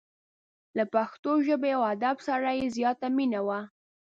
له پښتو ژبې او ادب سره یې زیاته مینه وه.